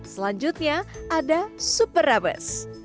selanjutnya ada super rames